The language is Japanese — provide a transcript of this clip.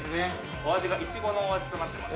◆お味がイチゴのお味となっています。